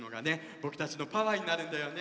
ぼくたちのパワーになるんだよね！